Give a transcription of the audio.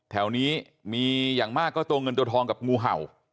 แถวนี้มีอย่างมากก็ตัวเงินตัวทองกับงูเห่า